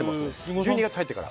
１２月入ってから。